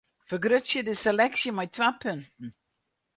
Fergrutsje de seleksje mei twa punten.